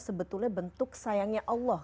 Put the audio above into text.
sebetulnya bentuk sayangnya allah